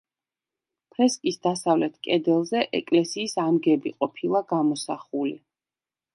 ფრესკის დასავლეთ კედელზე ეკლესიის ამგები ყოფილა გამოსახული.